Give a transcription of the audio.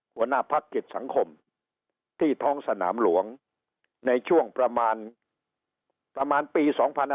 หัวหน้าพักกิจสังคมที่ท้องสนามหลวงในช่วงประมาณปี๒๕๕๙